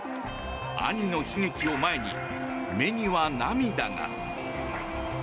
兄の悲劇を前に、目には涙が。